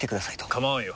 構わんよ。